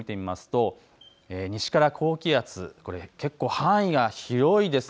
天気図を見てみますと西から高気圧、これ、結構範囲が広いです。